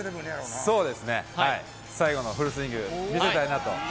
そうですね、最後のフルスイング見せたいなと。